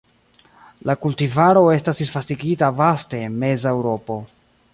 La kultivaro estas disvastigita vaste en meza Eŭropo.